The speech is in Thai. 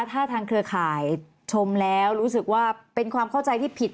ถ้าทางเครือข่ายชมแล้วรู้สึกว่าเป็นความเข้าใจที่ผิด